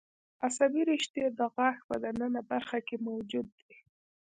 عصبي رشتې د غاښ په د ننه برخه کې موجود دي.